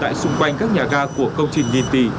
tại xung quanh các nhà ga của công trình nhìn tì